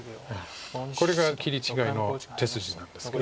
これが切り違いの手筋なんですけど。